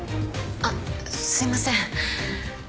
あっすいません。